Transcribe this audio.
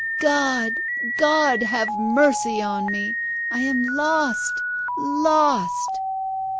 "God! God have mercy on me! I am lost lost!"